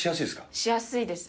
しやすいです。